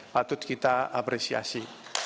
patut kita apresiasi